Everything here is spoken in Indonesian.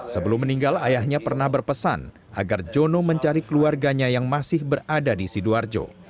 sebelum meninggal ayahnya pernah berpesan agar jono mencari keluarganya yang masih berada di sidoarjo